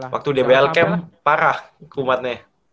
waktu dbl camp parah kumatnya